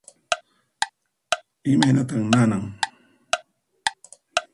Imaynatan nanan?